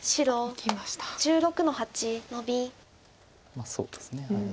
まあそうですね。